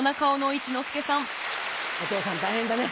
お父さん大変だね。